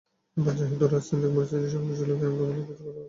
এবার যেহেতু রাজনৈতিক পরিস্থিতি স্বাভাবিক ছিল, তাই আমরা ভালো কিছু কাজ করেছি।